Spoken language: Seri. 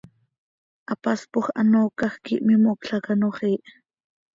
Hapaspoj hanoocaj quih mimocl hac ano xiih.